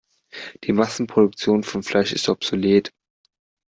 Die Massenproduktion von Fleisch ist obsolet.